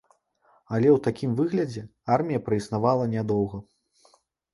Але ў такім выглядзе армія праіснавала нядоўга.